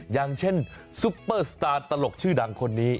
อย่างเช่นซุปเปอร์สตาร์ตลกชื่อดังคนนี้